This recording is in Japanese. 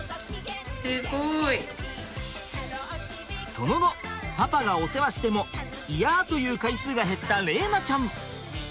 その後パパがお世話しても「いや！」という回数が減った玲菜ちゃん。